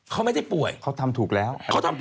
เขาไม่ได้ป่วยเขาทำถูกแล้ว